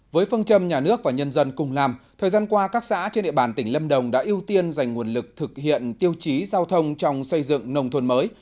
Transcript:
với phương châm nhà nước và nhân dân cùng làm thời gian qua các xã trên địa bàn tỉnh lâm đồng đã ưu tiên dành nguồn lực thực hiện tiêu chí giao thông trong xây dựng nông thôn mới